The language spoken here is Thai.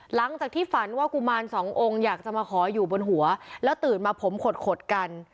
หลังจากที่ฝันว่ากุมารสององค์อยากจะมาขออยู่บนหัวแล้วตื่นมาผมขดขดกัน